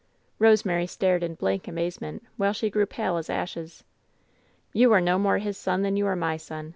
Rosemary stared in blank amazement, while she grew pale as ashes. "You are no more his son than you are my son